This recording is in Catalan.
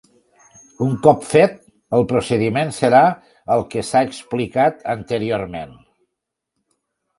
Un cop fet, el procediment serà el que s'ha explicat anteriorment.